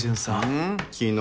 昨日。